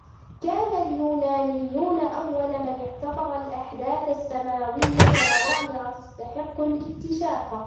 كان اليونانيون أول من اعتبر الأحداث السماوية ظواهر تستحق الاكتشاف